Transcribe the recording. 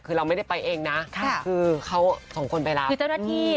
คือเราไม่ได้ไปเองนะคือเขาสองคนไปรับคือเจ้าหน้าที่